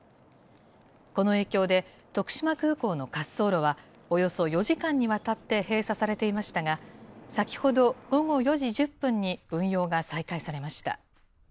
この影響で、徳島空港の滑走路は、およそ４時間にわたって閉鎖されていましたが、先ほど午後４時１０分に運用が再開されました。